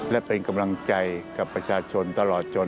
และเป็นกำลังใจกับประชาชนตลอดจน